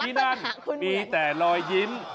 ที่นั่นมีแต่รอยยิ้ม